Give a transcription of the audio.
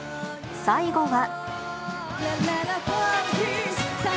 最後は。